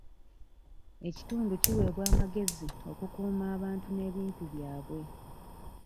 Ekitundu kiwebwa amagezi okukuuma abantu n'ebintu byabwe.